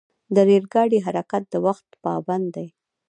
د ریل ګاډي حرکت د وخت پابند دی.